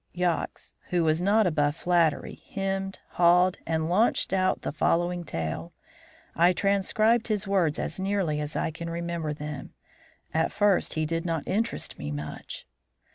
Yox, who was not above flattery, hemmed, hawed, and launched out in the following tale. I transcribe his words as nearly as I can remember them. At first he did not interest me much.